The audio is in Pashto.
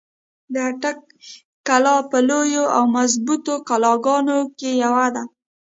د اټک قلا په لويو او مضبوطو قلاګانو کښې يوه ده۔